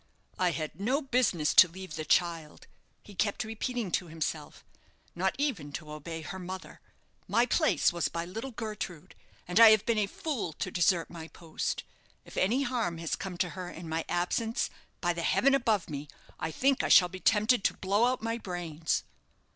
"I had no business to leave the child," he kept repeating to himself; "not even to obey her mother. My place was by little Gertrude, and I have been a fool to desert my post. If any harm has come to her in my absence, by the heaven above me, I think I shall be tempted to blow out my brains."